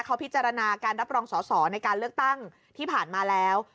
เขาพิจารณาการรับรองสอสอในการเลือกตั้งที่ผ่านมาแล้ว